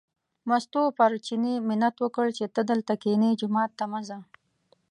مستو پر چیني منت وکړ چې ته دلته کینې، جومات ته مه ځه.